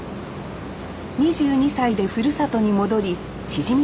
２２歳でふるさとに戻りしじみ